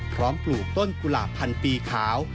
ปลูกต้นกุหลาบพันปีขาว